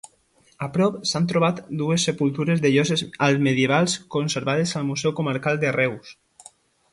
A prop s'han trobat dues sepultures de lloses altmedievals, conservades al Museu Comarcal de Reus.